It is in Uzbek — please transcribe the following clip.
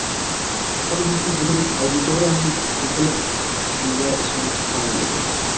holbuki, butun auditoriyaning yiqilib tushishimga ishonchi komil edi.